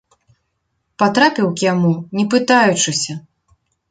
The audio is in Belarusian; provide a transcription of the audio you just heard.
Патрапіў к яму, не пытаючыся.